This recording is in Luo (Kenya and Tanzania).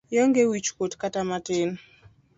Ionge wich kuot kata matin.